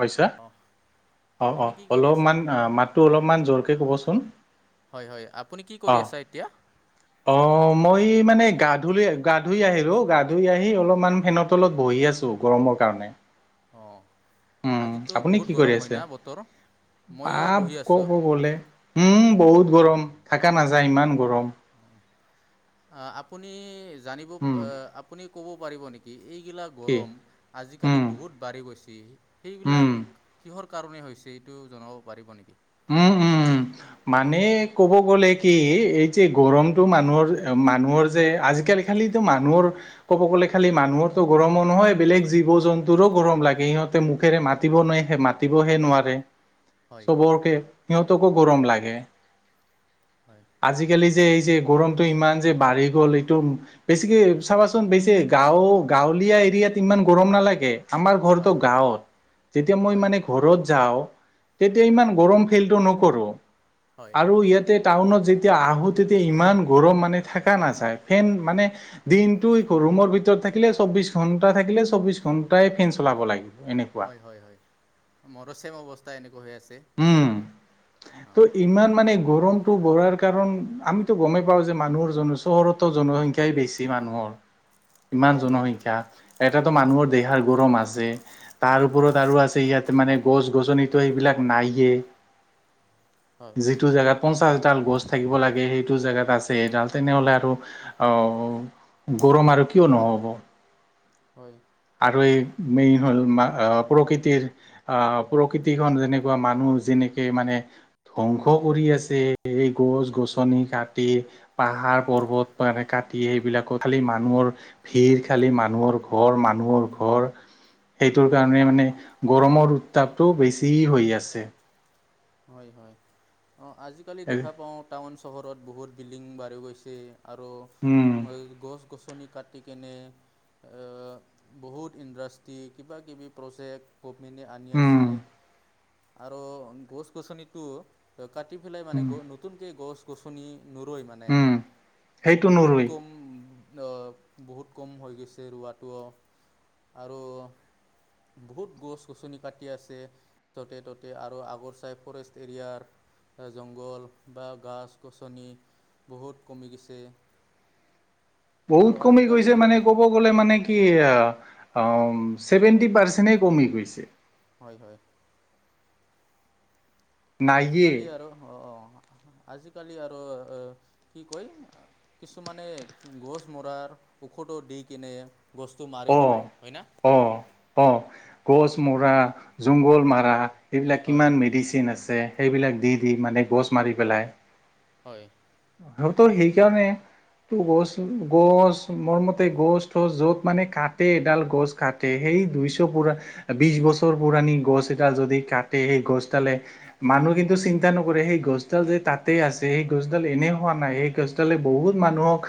হৈছা অ অ', - আপুনি অ', কি কৰি আছা অলপমান মাতটো অলপমান জোৰকে ক'বচোন হয় হয় আপুনি কি কৰি অ', আছা এতিয়া - অ', মই মানে গা ধুলো গা ধুই আহিলো গা ধুই আহি অলপমান ফেনত তলত বহি আছো গৰমৰ কাৰণে অ', উম আজিতো বহুত গৰম হয় না বতৰ? ময়ো বাপ বহি ক আছোঁ ক' গলে হম বহুত গৰম থাকা নাযায় ইমান গৰম আ, আপুনি জানিব উম আপুনি ক'ব পাৰিব নেকি? এইগিলাক কি গৰম আজিকালি উম বহুত বাঢ়ি গৈছে উম এইগিলাক কিহৰ কাৰণে হৈছে এইটো জনাব পাৰিব নেকি? উম -উম- উম মানে ক'ব গ'লে কি এই যে গৰমটো মানুহৰ মানুহৰ যে আজিকালি খালি মানুহৰ ক'ব গ'লে খালি মানুহৰো গৰমো নহয় বেলেগ জীৱ জন্তুৰো গৰম লাগে সিহঁতে মুখেৰে মাতিবহে নোৱাৰে মাতিবহে হয় নোৱাৰে সিহঁতকো গৰম লাগে হয় আজিকালি যে এই যে গৰমতটো ইমান যে বাঢ়ি গ'ল এইটো বেছিকে চাবাচোন বেছি গাঁও গাঁৱলীয়া এৰিয়াত ইমান গৰম নালাগে আমাৰ ঘৰটো হয় হয় গাঁৱত যেতিয়া মই হয় মানে ঘৰত যাওঁ তেতিয়া ইমান গৰম ফিলটো নকৰোঁ হয় আৰু ইয়াতে টাউনত যেতিয়া আহো তেতিয়া ইমান গৰম মানে থকা নাযায় ফেন মানে দিনটো কৰো ৰুমৰ ভিতৰত থাকিলে, চৌবিশ ঘন্টা থাকিলে চৌবিশ ঘণ্টাই ফেন চলাব লাগে। হয় -হয় -হয় মৰো চেম অৱস্থা এনেকুৱা হৈ আছে। উম টো অঁ ইমান মানে গৰমটো বঢ়াৰ কাৰণ, আমিতো গমেই পাওঁ যে মানুহৰ জন চহৰতো জনসংখ্যাই বেছি মানুহৰ ইমান হয় হয় জনসংখ্যা এটাটো মানুহৰ দেহাৰ গৰম আছেই। তাৰ ওপৰত আৰু আছে ইয়াত মানে গছ -গছনিটো এইবিলাক নায়ে, হয় যিটো জেগাত পঞ্চাশডাল গছ থাকিব লাগে, সেইটো জেগাত আছে এডাল তেনেহ'লে আৰু অহ গৰম আৰু কিয় নহ'ব। [inaudible] আৰু এই মেইন হ'ল আ প্ৰকৃতিৰ আ প্ৰকৃতিখন যেনেকুৱা মানুহ যেনে কি মানে? ধ্বংস কৰি আছে। এই গছ -গছনি কাটি পাহাৰ- পৰ্বত মানে কাটি কাটি এইবিলাকত খালি মানুহৰ ভিৰ খালি মানুহৰ ঘৰ মানুহৰ মোৰ ঘৰ সেইটোৰ কাৰণে মানে হয় গৰমৰ তাপটো বেছি হৈ আছে। হয় হয়। অ', জিকালি দেখা পাওঁ টাউন চহৰত বহুত বিল্ডিং বাঢ়ি গৈছে। আৰু উম গছ-গছনি কাটি কিনে অ', বহুত ইণ্ডাষ্ট্ৰ্ৰী কিবা কিবি প্ৰজেক্ট।। গভমেণ্টে আনি উম আছে। আৰু গছ গছনিটো কাটি পেলাই মানে উম নতুনকে গছ-গছনি নুৰৈই মানে উম সেইটো বহুত নৰুই কম অ', বহুত কম হৈ গৈছে ৰোৱাটো আৰু বহুত গছ গছনি কাটি আছে যতে -ততে আৰু আগৰ চাই ফৰেষ্ট এৰিয়াৰ। জংঘল বা গাছ -গছনি বহুত কমি বহুত আৰু কমি আজিকালি গৈছে মানে ক'ব গ'লে মানে কি আ আ' ম, ছেভেনটি পাৰ্চেন্টে কমি গৈছে। হয় হয়। নায়ে আজিকালি আৰু অ',। আজিকালি আৰু কি কয় কিছুমানে গছ মৰাৰ ঔষধো দি কিনে গছটো মাৰি পেলায় অ', হয় না অ', অ' গছ মৰা জংঘল মাৰা এইবিলাক হয় কিমান মেডিচিন আছে সেইবিলাক দি দি মানে গছ মাৰি পেলাই। হয়। সিহঁতৰ সেইকাৰণে তো গছ-গছ মোৰমতে গছ- তছ য'ত মানে কাটে এডাল গছ কাটে সেই দুইশ পুৰা বিশ বছৰ পুৰাণি গছ এডাল যদি কাটে সেই গছডালে মানুহ কিন্তু চিন্তা নকৰে সেই গছডাল যে তাতেই আছে সেই গছডাল এনে এনে হোৱা নাই। সেই গছালে বহুত মানুহক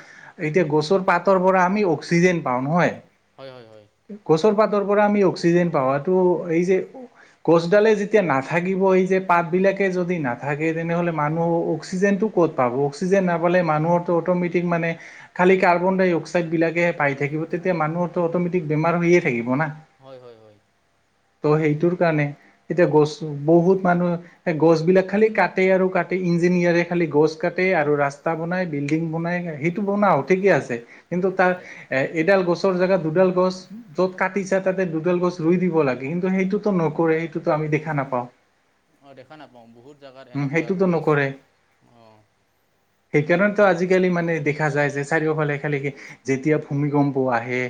এতিয়া গছৰ পাতৰ পৰা আমি অক্সিজেন পাওঁ। নহয় হয়, হয়-হয়। গছৰ পাতৰ পৰা আমি অক্সিজেন পাৱাটো এই যে গছডালে যেতিয়া নাথাকিব, এই যে পাত বিলাকে যদি নাথাকে তেনেহলে মানুহ অক্সিজেন ক'ত পাব। অক্সিজেন নাপালে মানুহৰ টো অট'মেটিক মানে খালি কাৰ্বন ডাই অক্সাইড বিলাকেহে পাই থাকিব। তেতিয়া মানুহৰতটো অট'মেটিক বেমাৰ হৈয়ে থাকিব না? হয়, হয়-হয়। ত' সেইটোৰ কাৰণে, এতিয়া গছ বহুত মানুহ গছ বিলাক খালি কাটেই আৰু কাটেই। এ ইঞ্জিনিয়াৰে খালি গছ কাটে আৰু ৰাস্তা বনাই বিল্ডিং বনাই। সেইটো বনাওক ঠিকেই আছে কিন্তু তাৰ হয় এই এডাল গছৰ জেগাত দুডাল গছ। য'ত কাটিছে তাতে দুডাল গছ ৰুই দিব লাগে। কিন্তু সেইটোতো নকৰে। সেই টো আমি দেখা নাপাওঁ। অ', দেখা নাপাওঁ বহুত জাগাত উম হেনেকুৱা সেইটোতো গছ অ'। সেই কাৰণেতো আজিকালি মানে দেখা যায় যে চাৰিওফালে খালি যেতিয়া ভূমিকম্প আহে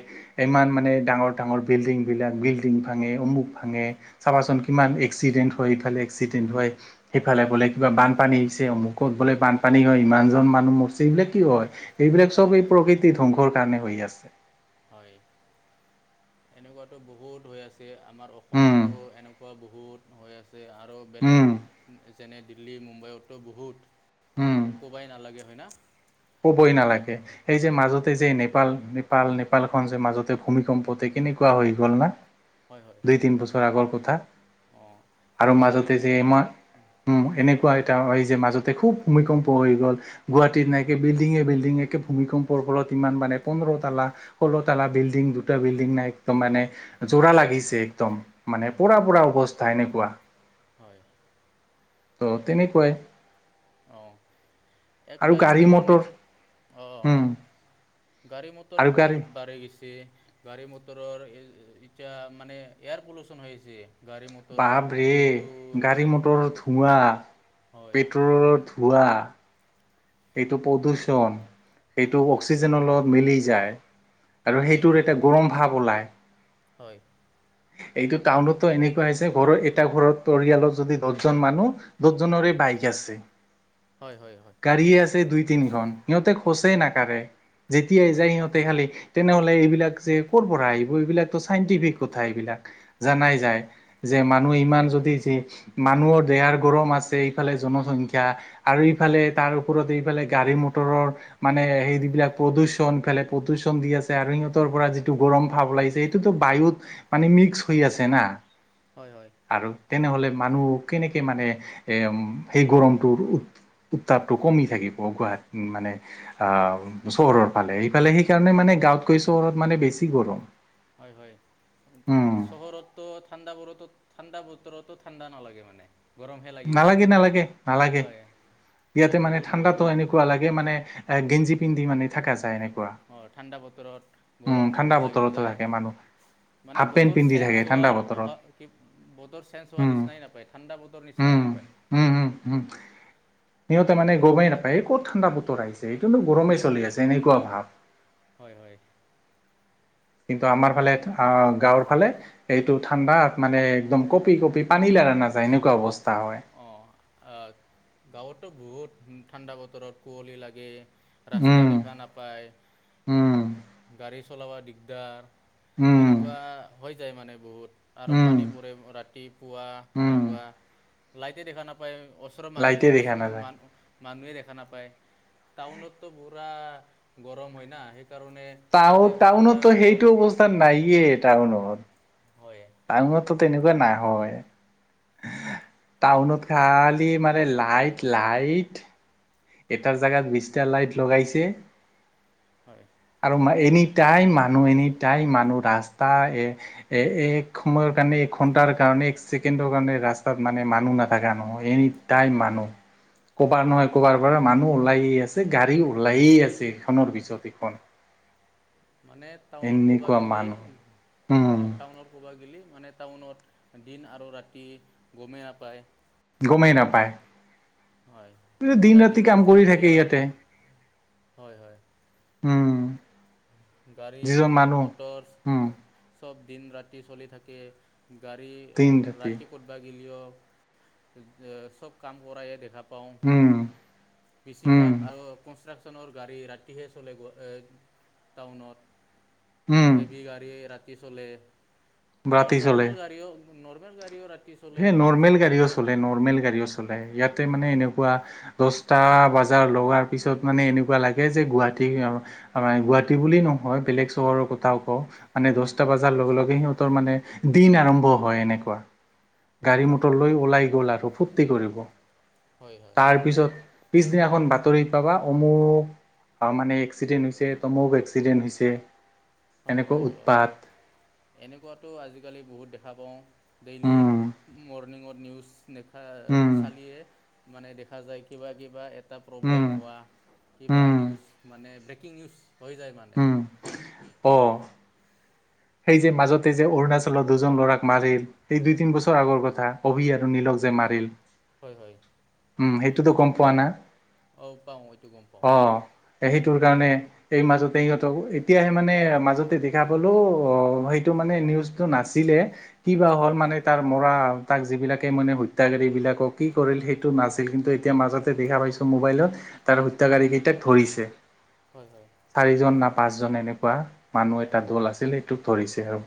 ইমান মানে ডাঙৰ, ডাঙৰ বিল্ডিংবিলাক বিল্ডিং ভাঙে, অমুক ভাঙে চাবাচোন কিমান এক্সিডেন্ট হয়, ইফালে এক্সিডেন্ট হয় সেইফালে বোলে কিবা বানপানী আহিছে অমুক ক'ত বোলে বানপানী হয়, ইমানজন মানুহ মৰছি এইবিলাক কি হয় এইবিলাক চব এই প্ৰকৃতি ধ্বংসৰ কাৰণে হৈ আছে। হয়'। এনেকুৱাতো বহুত হৈ আছে আমাৰ উম অসমতো এনেকুৱা বহুত হৈ আছে। আৰু উম বেলেগ যেনে দিল্লী মুম্বাইততো বহুত উম ক'বাই নালাগে হয় না। কবই নালাগে সেই যে অঁ মাজতে যে নেপাল, নেপাল নেপাল খন যে মাজতে ভূমিকম্পতে কেনেকুৱা হৈ গল না হয় হয় দুই তিন বছৰ আগৰ কথা অঁ আৰু মাজতে আগতেতো যে, [unintelligible] উম এনেকুৱা হয় এটা হয় যে মাজতে খুব ভূমিকম্প হৈ গ'ল গুৱাহাটীত নাই বিল্ডিঙে, বিল্ডিঙে একে ভূমিকম্পৰ ফলত ইমান মানে পন্ধৰ তালা, ষো্ল তলা বিল্ডিং দুটা বিল্ডিং একদম মানে জোৰা লাগিছে, একদম মানে পোৰা পোৰা, অৱস্থা এনেকুৱা হয়, ত' তেনেকুৱাই। আহ, এক আৰু গাড়ী টাইমতো নে মটৰ আহ', উম হয়। গাড়ী মটৰ আৰু গাড়ী বহুত বাঢ়ি গৈছে। গাড়ী মটৰৰ এতিয়া মানে এয়াৰ পলুচন হৈ আছে, গাড়ী মটৰৰ বাপৰে যোনটো গাড়ী মটৰ ধোৱা, হয় পেট্ৰলৰ ধোৱা ৱাহ', এইটো প্ৰদূষণ, এইটো অক্সিজেনৰ লগত মিলি যায়। আৰু হয় হয় সেইটোৰ এটা গৰম ভাৱ ওলায়। হয়', এইটো টাউনতো এনেকুৱা হৈছে ঘৰৰ এটা ঘৰ পৰিয়ালত যদি দহজন মানুহ দছজনৰে বাইক আছে। হয় হয় হয় গাড়ী আছে দুই, তিনিখন সিহঁতে খোচেই নাকৰে যেতিয়াই হয় যায়, সিহঁতে খালি তেনেহ'লে এইবিলাক যে ক'ৰপৰা আহিব এইবিলাকতো চাইণ্টিফিক কথা এইবিলাক জানাই হয় যায় যে, মানুহ হয় ইমান যদি যি মানুহৰ দেহাৰ গৰম আছে, ইফালে জনসংখ্যা আৰু ইফালে তাৰ ওপৰত এইফালে গাড়ী ম মটৰৰ মানে সেই বিলাক প্ৰদূষণ ফালে প্ৰদূষণ দি আছে আৰু সিহঁতৰ পৰা যিটো গৰম ভাৱ ওলাইছে সেইটোটো বায়ুত মানে মিক্স হৈ আছে না হয় হয় আৰু তেনে হ'লে মানুহ কেনেকে মানে সেই গৰমটোৰ উত্তাপটো কমি থাকিব গুৱাহাটী মানে আহ চহৰৰ ফালে এইফালে সেইকাৰণে মানে গাওঁতকৈ চহৰত মানে বেছি গৰম। হয়, হয় উম চহৰতো ঠাণ্ডা বোৰতো ঠাণ্ডা বতৰতো ঠাণ্ডা নালাগে মানে। গৰমহে লাগি যায় নালাগে, নালাগে, নালাগে হয় ইয়াতে মানে বহুত গৰম ঠাণ্ডাটো লাগি যায় এনেকুৱা লাগে মানে এ গেঞ্জি পিন্ধি মানে থকা যায় এনে অ' ঠাণ্ডা বতৰত গৰম ঠাণ্ডা বহুত লাগি বতৰতো যায়। থাকে মানুহ মানে হাফ পেণ্ট বতৰ পিন্ধি থাকে চেঞ্জ ঠাণ্ডা হোৱাৰ বতৰত অভাৱ, বতৰ চেঞ্জ হোৱাৰ উম নিচিনাই নাপায় ঠাণ্ডা বতৰ নিচনা উম শুনাই নাপায়। উম উম উম সিহঁতে মানে গমেই নাপায় ক'ত ঠাণ্ডা বতৰ আহিছে এইটোনো গৰমেই চলি আছে এনেকুৱা ভাৱ। হয়, হয়। কিন্তু আমাৰ ফালে গাওঁৰ ফালে এইটো ঠাণ্ডা মানে একদম কঁপি কঁপি পানী লা লাৰা নাযায়, এনেকুৱা অৱস্থা হয়। গাওঁততো বহুত ঠাণ্ডা বতৰত কুঁৱলী লাগে। ৰাস্তা উম দেখা নাপায়, উম গাড়ী চলাব দিগদাৰ। উম এনেকুৱা হৈ যায় মানে বহুত। আৰু উম পানী পৰে ৰাতিপুৱা উম এনেকুৱা লাইটে দেখা নাপায়। ওচৰৰ মানুহটো লাইটে দেখা ওচৰ নাযায় মানু। মানুহে দেখা নাপায়, টাউন'টো পুৰা গৰম হয় না। সেইকাৰণে তাতে টাউন ঠাণ্ডা টাউনতো গৰম সেইটো অৱস্থা নাইয়ে টাউনত। হয় টাউনতটো তেনেকুৱা নাহয়। টাউনত খালি মানে লাইট লাইট। এটাৰ জাগাত বিশটা লাইট লগাইছে। হয়। আৰু এনি টাইম মানুহ এনি টাইম মানুহ ৰাস্তা এ এ এক সময়ৰ কাৰণে। ঘণ্টাৰ কাৰণে, এক ছেকেণ্ডৰ কাৰণে, ৰাস্তাত মানে মানুহ নাথাকা নহয়, এনি টাইম মানুহ। ক'বাৰ অঁ নহয়। ক'বাৰ পৰা মানুহ ওলাই আছে, গাড়ী ওলাইয়ে আছে, ইখনৰ পিছত সিখন। মানে টাউনত ক'বা গেলি, উম টাউনত ক'বা গেলি। মানে টাউনত দিন আৰু ৰাতি গমে নাপায়। গমে নাপায়। হয়, কেতিয়া ৰাতি দিন কাম হৈছে, কৰি কেতিয়া থাকে ৰাতি। ইয়াতে হয় উম। যিজন মানুহ গাড়ী-মটৰ উম চব দিন-ৰাতি চলি থাকে। গাড়ী ৰাতি ক'তবা গেলিও চব কাম কৰায়ে দেখা। পাওঁ, উম উম বেছিভাগ [unintelligible] কনষ্ট্ৰাকচন। চনৰ গাড়ী ৰাতিহে চলে গ টাউনত। উম হেভি গাড়ী ৰাতি চলে আৰু ৰাতি চলে নৰ্মেল গাড়ীও। নৰ্মেল গাড়ীওঁ ৰাতি চলে সেই কাম নৰ্মেল চলি থাকে গাড়ীও না চলে, নৰ্মেল গাড়ীও চলে, ইয়াতে মানে হয় এনেকুৱা দছটা বাজাৰ লগাৰ পিছত মানে এনেকুৱা লাগে যে গুৱাহাটী [unintelligible] গুৱাহাটী বুলি নহ হয় বেলেগ চহৰৰ কথাও কওঁ মানে দছটা বজাৰ লগে লগে সিহঁতৰ মানে দিন আৰম্ভ হয় এনেকে। কোৱা। হয় হয় গাড়ী-মটৰ লৈ ওলাই গ'ল আৰু ফুৰ্তি কৰিব, হয় হয় তাৰ পিছত পিছদিনা এখন বাতৰি পাবা অমুক। আৰু মানে এক্সিডেণ্ট হৈছে তমুক এক্সিডেণ্ট হৈছে। হয়, এনেকুৱা হয় অ', উৎপাত এনেকুৱাতো আজিকালি বহুত দেখা পাওঁ। ডেইলিৰ উম মৰ্ণিঙত নিউজ নেখা উম চালিয়ে। মানে দেখা যায় কিবা কিবা এটা উম প্ৰব্লেম হোৱা কিবা উম নিউজ মানে ব্ৰেকিং নিউজ হৈ যায় মানে। উম অ'। সেই যে মাজতে যে অৰুণাচলৰ দুজন ল'ৰাক মাৰিল এই দুই তিন বছৰ আগৰ কথা অভি আৰু নীলক। যে মাৰিল। হয়, হয়। উম, সেইটোতো গম পোৱা না। অ', পাওঁ, এইটো গম পাওঁ। তোৰ কাৰণে এই মাজতে সিহঁতক এতিয়াহে মানে মাজতে দেখা পালোঁ অ', সেইটো মানে নিউজটো নাছিলে কিবা হ'ল মানে তাৰ মৰা তাক যিবিলাকে মানে হত্যাকাৰী এইবিলাকক কি কৰিল সেইটো নাছিল কিন্তু এতিয়া মাজতে দেখা পাইছোঁ মোবাইলত। তাৰ হত্যাকাৰীকেইটাক ধৰিছে। হয় হয় চাৰিজন না পাঁচজন এনেকুৱা মানুহ হয় এটা দল আছিল। ধৰিছে আৰু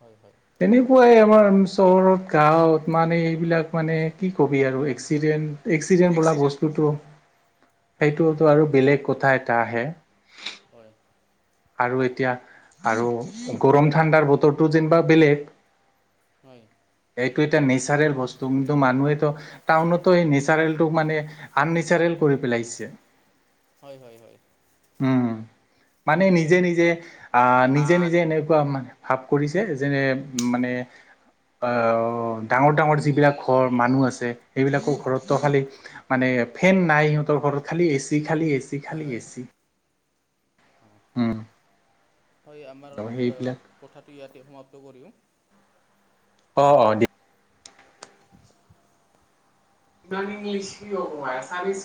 হয় হয় তেনেকুৱাই আমাৰ চহৰত গাঁৱত মানে এইবিলাক মানে কি কবি আৰু এক্সিডেণ্ট। এক্সিডেণ্ট বোলা বস্তুটো হয় হয় সেইটোওতো আৰু বেলেগ কথা এটা আহে। হয়। আৰু এতিয়া আৰু গৰম ঠাণ্ডাৰ বতৰটো যেনিবা বেলেগ। হয়। এই এ নেচাৰেল বস্তু কিন্তু মানুহে টাউনতো স নেচাৰেলটো মানে আন নচাৰেল কৰি পেলাইছে। হয়, হয়, হয়। উম, মানে নিজে নিজে আহ, নিজে আন নিজে এনেকুৱা মানে ভাপ কৰিছে যেনে উ মানে অ', ডাঙৰ ডাঙৰ যিবিলাক ঘৰ মানুহ আছে সেইবিলাকো ঘৰতো খালি মানে ফেন নাই সিহঁতৰ ঘৰত খালি এচি, খালী এচি, খালি এচি। অ', উম হয় আমাৰ ত সেইবিলাক কথাটো ইয়াতে সমাপ্ত কৰিও অ', অ', দি [unintelligible]